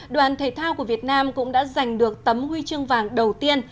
đoàn thể thao của việt nam cũng đã giành được tấm huy chương vàng đầu tiên